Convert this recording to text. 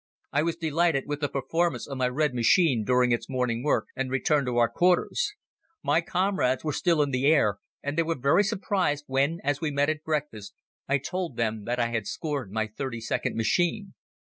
I was delighted with the performance of my red machine during its morning work and returned to our quarters. My comrades were still in the air and they were very surprised, when, as we met at breakfast, I told them that I had scored my thirty second machine.